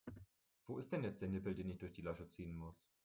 Wo ist denn jetzt der Nippel, den ich durch die Lasche ziehen muss?